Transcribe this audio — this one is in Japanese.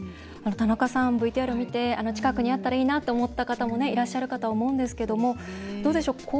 田中さん、ＶＴＲを見て近くにあったらいいなと思った方もいらっしゃると思うんですけどどうでしょう？